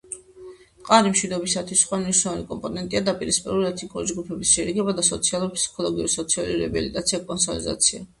მყარი მშვიდობისთვის სხვა მნიშვნელოვანი კომპონენტია დაპირისპირებული ეთნიკური ჯგუფების შერიგება და სოციალურ-ფსიქოლოგიური სოციალური რეაბილიტაცია კონსოლიდაცია.